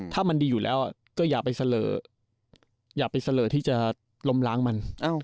ถ้ามันดีอยู่แล้วก็อย่าไปอย่าไปเสลอที่จะล้มล้างมัน